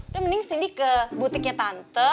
udah mending cindy ke butiknya tante